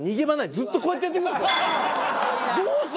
ずっとこうやってやってくるんですよ。